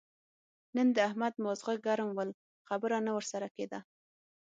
نن د احمد ماغزه ګرم ول؛ خبره نه ور سره کېده.